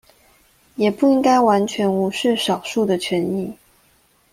也不應該完全無視少數的權益